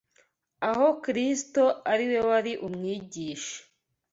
aho Kristo ari We wari umwigisha